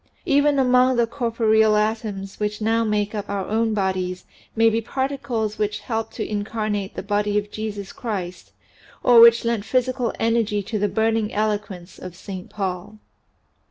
Even among the corporeal atoms which now make up our own bodies may be particles which helped to incarnate the person of Jesus Christ or which lent physical energy to the burning eloquence of Saint Paul.